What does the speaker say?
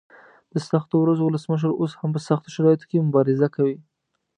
د سختو ورځو ولسمشر اوس هم په سختو شرایطو کې مبارزه کوي.